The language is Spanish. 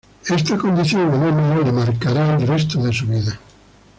Esta condición anómala le marcará el resto de su vida.